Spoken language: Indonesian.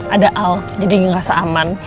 ada al jadi ngerasa aman